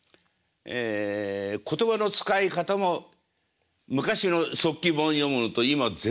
ええ言葉の使い方も昔の速記本読むのと今全然違いますね。